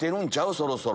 そろそろ。